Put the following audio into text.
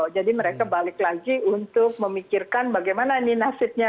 jadi mereka balik lagi untuk memikirkan bagaimana ini nasibnya